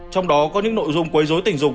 trong đó có những nội dung quấy dối tình dục